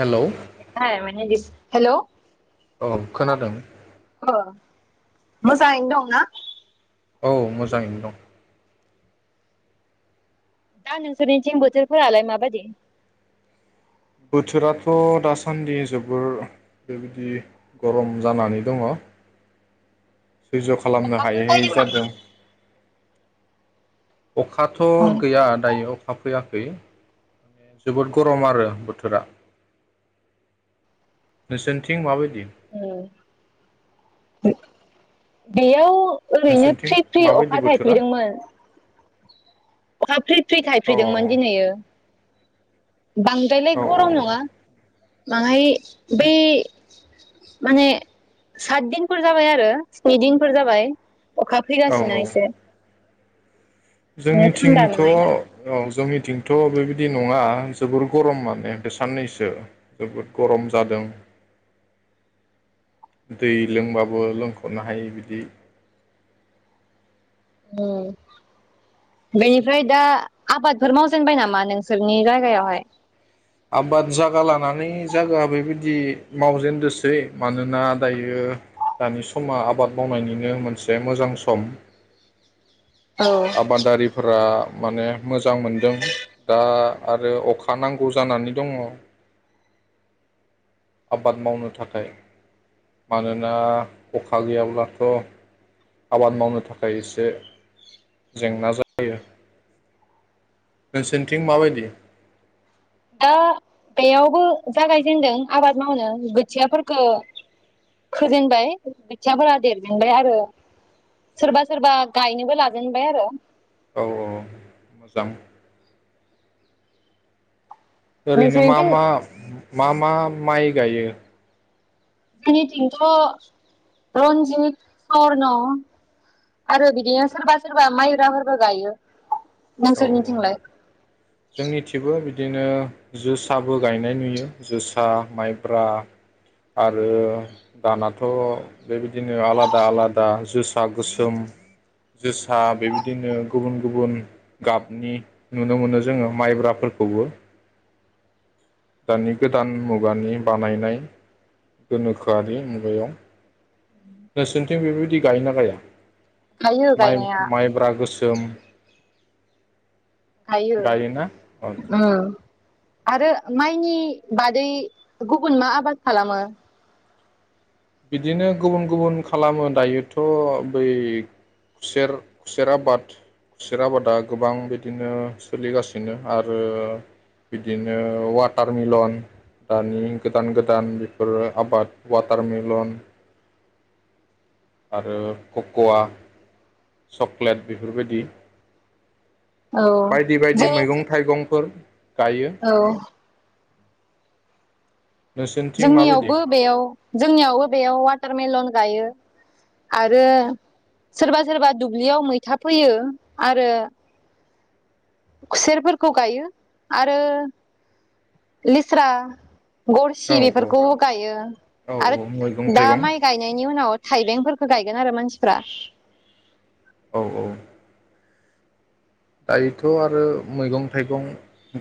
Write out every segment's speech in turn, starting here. Hello [unintelligible] hello. औ खोनादों। मोजाङैनो दंना? औ मोजाङैनो दं। दा नोंसोरनिथिं बोथोर फोरालाय मा बादि? बोथोराथ दासान्दि जोबोर बेबायदि गरम जानानै दङ। सैज खालामनो अखाफोर हायै हायै फैदों नामा? जादों। अखाथ गैया दायो अखा फैया खै माने जोबोद गरम आरो बोथोरा। नोंसिनिथिं माबाय ओ। [unintelligible] बेयाव ओरैनो नोंसोरनिथिं फ्रि फ्रि अखा माबायदि बोथोरा थायफ्रिदोंमोन। अखा फ्रि फ्रि अ औ थाइफ्रिदोंमोन दिनैयो। बांद्रायलाय औ गरम नङा। बांहाय। बे। माने सात दिनफोर जाबाय आरो स्नि दिनफोर जाबाय। अखा फैगासिनो एसे। बिनो जोंनि थान्दा थिंथ' बाङाय औ जोंनिथिंथ' बेबायदि नङा जोबोर गरम माने बे साननैसो जोबोर गरम जादों दै लोंबाबो लोंख'नो हायि बिदि। उम बेनिफ्राय दा आबादफोर मावजेनबाय नामा नोंसोरनि जायगायावहाय? आबाद जागा लानानै जागा बेबायदि मावजेनदोंसै मानोना दायो दानि समा आबाद मावनायनिनो मोनसे मोजां सम। औ आबादारिफोरा माने मोजां मोनदों दा आरो अखा नांगौ जानानै दङ आबाद मावनो थाखाय मानोना अखा गैयाब्लाथ' आबाद मावनो थाखाय एसे जेंना जायो। नोंसोरनिथिं माबायदि? दा बेयावबो जागायजेनदों आबाद मावनो बोथियाफोरफोरखौ फोजेनबाय गोथियाफोरा देरजेनबाय आरो सोरबा सोरबा गायनोबो लाजेनबाय आरो। औ औ मोजां। ओरैनो मा नोंसोरनिथिं मा? मा मा माइ गायो? जोंनिथिंथ' रन्जित सरन' आरो बिदिनो सोरबा सोरबा माइब्राफोरबो गायो। औ औ नोंसोरनिथिंलाय? [inaudible] जोंनिथिंबो बिदिनो जोसाबो गायनाय नुयो जोसा माइब्रा आरो दानाथ' बेबायदिनो आलादा आलादा जोसा गोसोम जोसा बेबायदिनो गुबुन गुबुन गाबनि नुनो मोनो जोङो माइब्राफोरखौबो दानि गोदान मुगानि बानायनाय गोनोखोआरि मुगायाव। नोंरसोरनिथिं बेबायदि गायो ना गाया? गायो माइ गायनाया माइब्रा गोसोम। गायो गायोना उम। आरो माइनि बादै गुबुन मा आबाद खालामो? बिदिनो गुबुन गुबुन खालामो दायोथ' बै खुसेर खुसेर आबाद खुसेर आबादा गोबां बिदिनो सोलिगासिनो आरो बिदिनो वाटार मिलन दानि गोदान गोदान बेफोरो आबाद वाटार मिल लन। आरो ककवा चक्लेट बेफोरबायदि। औ बायदि बायदि जोंनि मैगं-थाइगंफोर। औ। नोंसोरनिथिं माबायदि जोंनियावबो बेयाव जोंनियावबो बेयाव वाटारमेलन गायो आरो सोरबा सोरबा दुब्लियाव मैथा फोयो आरो खुसेरफोरखौ गायो आरो लेस्रा गरसि औ बेफोरखौबो गायो औ आरो औ मैगं दा थाइगं माइ गायनायनि उनाव थाइबेंफोरखौ गाय गायदों आरो मानसिफोरा। औ औ। दायोथ' आरो मैगं-थाइगं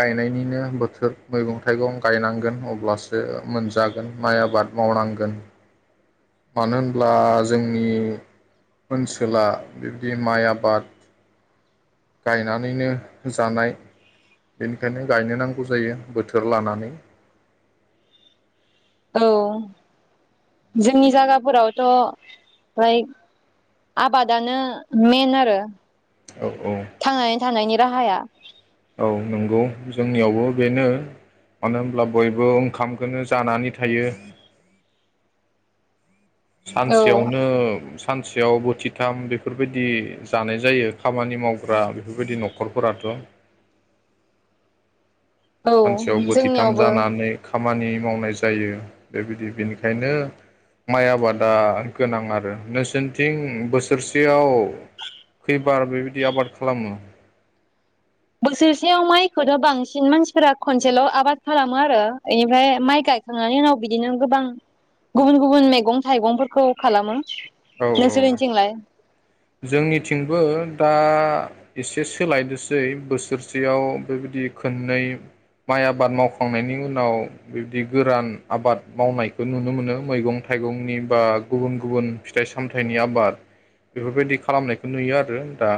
गायनायनिनो बोथोर मैगं-थाइगं गायनांगोन अब्लासो मोनजागोन माइ आबाद मावनांगोन। मानो होनब्ला जोंनि ओनसोला बिब्दि माइ आबाद गायनानैनो जानाय बेनिखायनो गायनो नांगौ जायो बोथोर लानानै। औ जोंनि जागाफोरावथ' माइ आबादानो मेन आरो। औ औ थांनानै थानायनि राहाया औ नंगौ जोंनियावबो बेनो मानो होनब्ला बयबो ओंखामखोनो जानानै थायो। औ सानसेयावनो सानसेयाव बोथिथाम बेफोरबायदि जानाय जायो खामानि मावग्रा बेफोरबायदि नखरफोराथ'। औ सानसेयाव बोथिथाम जोंनियावबो जानानै खाम खामानि मावनाय जायो बेबायदि बेनिखायनो माइ आबादा गोनां आरो नोंसोरनिथिं बोसोरसेयाव खैबार बेबायदि आबाद खालामो? बोसोरसेयाव माइखौथ' बांसिन मानसिफोरा खनसेल आबाद खालामो आरो इनिफ्राय माइ गायखांनायनि उनाव बिदिनो गोबां गुबुन गुबुन मैगं थाइगंफोरखौ खालामो। औ औ नोंसोरनिथिंलाय? जोंनिथिंबो दा एसे सोलायदोसै बोसोरसेयाव बेबायदि खोननै माइ आबाद मावखांनायनि उनाव बिब्दि गोरान आबाद मावनायखौ नुनो मोनो मैगं थाइगंनि बा गुबुन गुबुन फिथाइ सामथाइनि आबाद बेफोरबायदि खालामनायखौ नुयो आरो दा।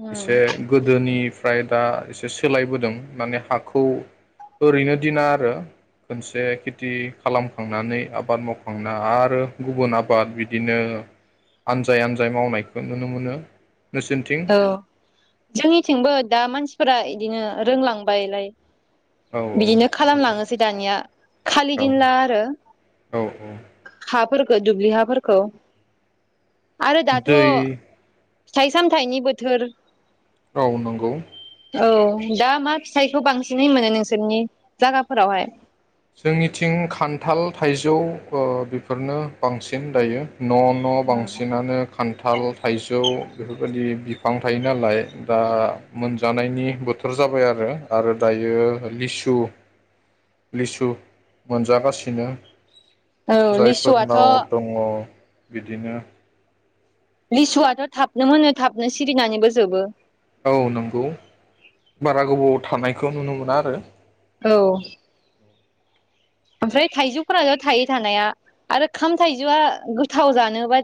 उम एसे गोदोनि ओमफ्राय दा एसे सोलायबोदों माने हाखौ ओरैनो दिना आरो खोनसे खेथि खालामखांनानै आबाद मावखांना आरो गुबुन आबाद बिदिनो आनसफोर आनजाय आनजाय मावनायखौ नुनो मोनो। नोंसोरनिथिं औ जोंनिथिंबो दा मानसिफोरा बिदिनो रोंलांबायलाय। औ बिदिनो मोजां खालामलाङोनोसै दानिया खालि औ दिनला आरो औ हाफोरखौ दुब्लिहाफोरखौ। आरो दाथ'। दै सायसाम फिथाइनि बोथोर औ नंगौ। औ दा मा फिथाइखौ बांसिनै मोनो नोंसोरनि जागाफोरावहाय। जोंनिथिं खान्थाल थाइजौ ओ बेफोरनो बांसिन दायो न' न' बांसिनानो खान्थाल, थाइजौ बेफोरबायदि बिफां थायो नालाय दा मोनजानायनि बोथोर जाबाय आरो आरो दायो लिसु लिसु मोनजागासिनो। औ लिसुआथ' जायफोरनाव दङ। बिदिनो लिसुआथ' थाबनो मोनो थाबनो सिरिनानैबो जोबो। औ नंगौ बारा गोबाव थानायखौ नुनो मोना आरो। औ। ओमफ्राय थाइजौफोराल थायो थानाया आरो खाम थाइजौआ गोथाव जानोबा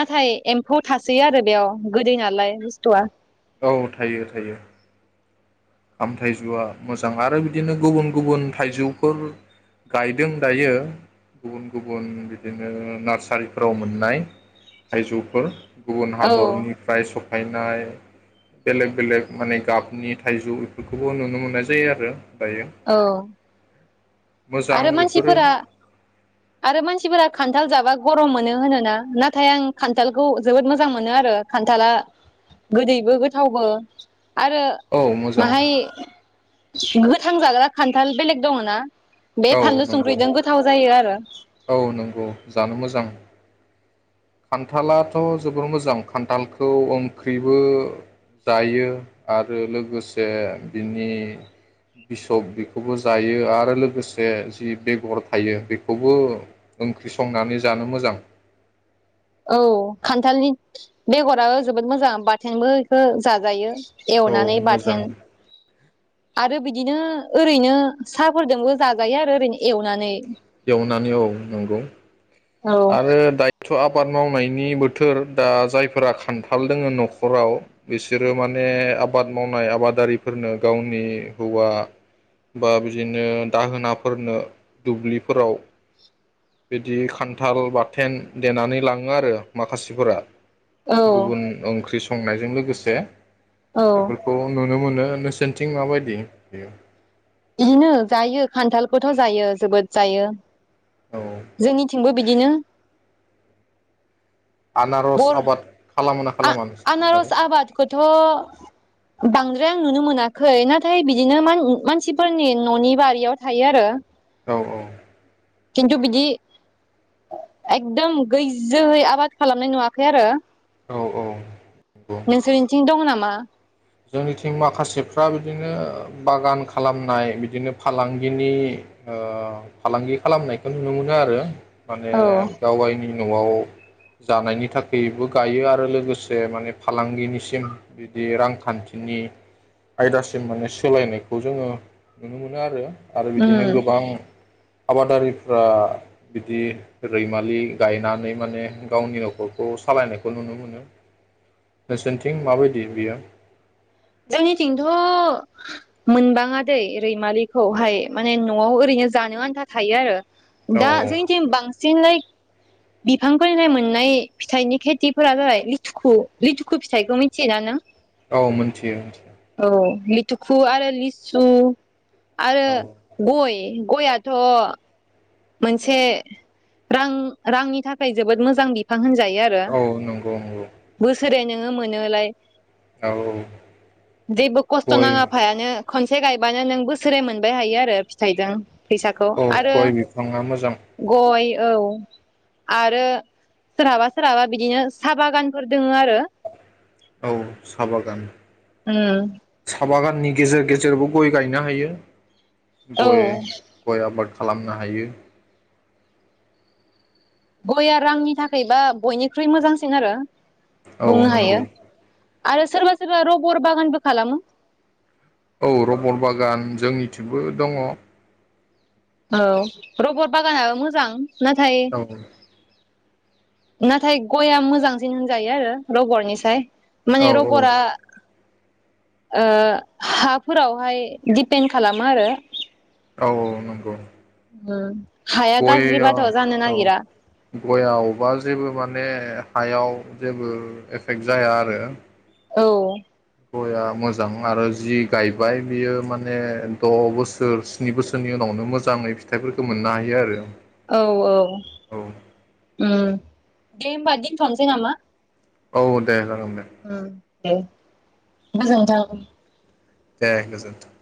नाथाय एम्फौ थासोयो आरो बेयाव गोदै नालाय बुस्थुआ। औ थायो थायो। खाम थाइजौआ मोजां आरो बिदिनो गुबुन गुबुन थाइजौफोर गायदों दायो गुबुन गुबुन बिदिनो नार्सारिफोराव मोननाय थाइजौफोर। गुबुन औ हादरनिफ्राय सब फैनाय बेलेक बेलेक माने गाबनि था थाइजौ बेफोरखौबो नुनो मोननाय जायो आरो। दायो औ। मोजां आरो बेफोरो मानफोरा आरो मानसिफोरा खान्थाल खान्थाल जाबा गरम मोनो होनोना नाथाय आं खान्थालखौ जोबोद मोजां मोनो आरो खान्थाला गोदैबो गोथावबो। आरो औ मोजां माहाय गोथां जाग्रा खान्थाल बेलेग दङ ना। बे औ फानलु नंगौ संख्रिजों गोथाव जायो आरो। औ नंगौ जानो मोजां। खान्थालाथ' जोबोर मोजां खान्थालखौ ओंख्रिबो जायो आरो लोगोसे बिनि बिसब बेखौबो जायो आरो लोगोसे जि बेगर थायो बेखौ बो ओंख्रि संनानै जानो मोजां। औ खान्थालनि बेगराबो जोबोद मोजां बाथेंबो इखो जा जायो। औ एवनानै मोजां बाथोन। आरो बिदिनो ओरैनो साहाफोरजोंबो जाजायो आरो ओरैनो एवनानै। एवनानै औ नंगौ। औ आरो दायथ' आबाद मावनायनि बोथोर दा जायफोरा खान्थाल दोङो नखराव बिसोरो माने आबाद मावनाय आबादारिफोरनो गावनि हौवा बा बिदिनो दाहोनाफोरनो दुब्लिफोराव बिदि खान थाल बाथेन देनानै लाङो आरो माखासेफोरा। औ गुबुन ओंख्रि सं संनायजों लोगोसे औ बेफोरखौ नो नुनो मोनो नोंसोरनिथिं माबायदि बेयो। इदिनो जायो खान्थालखौथ' जायो जोबोद जायो। औ जोंनिथिंबो बिदिनो आनारस बर- आबाद खालामो ना खालामा नोंसोरनिथिं आरो आ-आनारस आबादखौथ' बांद्राय आं नुनो मोनाखै नाथाय बिदिनो मान-मानसिफोरनि न'नि बारियाव थायो आरो। औ औ। खिन्थु बिदि, [inaudible] एकदम गैजोहै आबाद खालामनाय नुवाखै आरो। औ औ नंगौ। मा? जोंनिथिं माखासेफ्रा बिदिनो बागान खालामनाय बिदिनो फालांगिनि ओ फालांगि खालामनायखौ नुनो मोनो आरो। माने औ गावगायनि न'आव जानायनि थाखायबो गायो आरो लोगोसे माने फालांगिनिसिम बिदि रां खान्थिनि आयदासिम माने सोलायनायखौ जोंङो नुनो मोनो आरो आरो उम बिदिनो गोबां आबादारिफ्रा बिदि रैमालि गायनानै माने गावनि नखरखौ सालायनायखौ नुनो मोनो। नोंसोरनिथिं माबायदि बियो? जोंनिथिंथ' मोनबाङादै रैमालिखौहाय माने नआव ओरैनो जानो आन्था थायो आरो। औ दा जोंथिं बांसिनै बिफां फोरनि मोननाय फिथाइनि खेथिफोरा जाबाय लिथुखु, लिथुखु फिथाइखौ मिथियोना नों? औ मोनथियो। औ लिटुखु आरो लिसु। आरो औ गय गयाथ मोनसे रां रांनि थाखाय जोबोद मोजां बिफां होनजायो औ नंगौ नंगौ जेरै नोंङो मोनोलाय औ औ जेबो खस्थ गय नांङा फायानो खनसे गायबानो नों बोसोरै मोनबाय हायो आरो फिथाइजों फैसाखौ आरो ङा मोजां गय औ आरो सोरहाबा सोरहाबा बिदिनो साहा बागानफोर दंङ आरो औ साहा बागान ओम साहा बागाननि गेजेर गेजेरावबो गय गायनो हायो। औ गय गय आबाद खालामनो हायो गया रांनि थाखायबा बयनिख्रुइ मोजांसिन आरो औ बुंनो हायो नंगौ आरो सोरबा सोरबा रबर बागानबो खालामो। औ रबर बागान जोंनिथिंबो दङ। औ रबर बागानाबो मोजां नाथाय औ नाथाय गया मोजांसिन होनजायो आरो रबरनिसाय औ माने रबरा औ ओ हाफोरावहाय दिपेन्ड खालामो आरो औ औ नंगौ उम गयाव औ गयावबा जेबो माने हायाव जेबो एफेक्ट जाया आरो औ गया मोजां आरो जि गायबाय बियो माने द बोसोर स्नि बोसोरनि उनावनो मोजांङै फिथाइफोरखौ मोननो हायो आरो औ औ। औ दे होमबा दोनथनोसै नामा? औ दे। जागोन दे ओं। दे गोजोनथों। दे गोजोनथों।